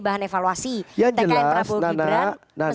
bahan evaluasi tkn prabowo gibran